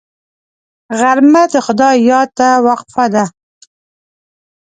غرمه د خدای یاد ته وقفه ده